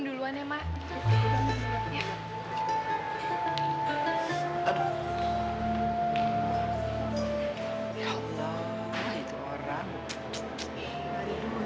umi umi kenapa tadi ngomongnya gitu